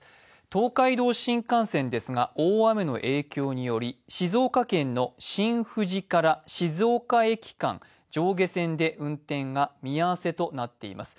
東海道新幹線ですが、大雨の影響により静岡県の新富士から静岡駅間上下線で運転が見合わせとなっています。